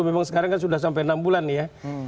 memang sekarang kan sudah sampai enam bulan ya